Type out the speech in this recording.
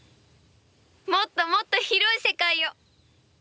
もっともっと広い世界を！